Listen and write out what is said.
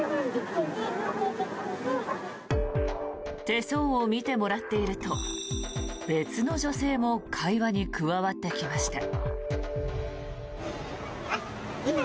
手相を見てもらっていると別の女性も会話に加わってきました。